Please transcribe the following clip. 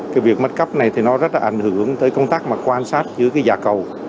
cái việc mất cắp này thì nó rất là ảnh hưởng tới công tác mà quan sát giữa cái giả cầu